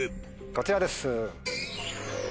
こちらです。